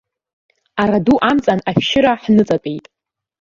Араду амҵан ашәшьыра ҳныҵатәеит.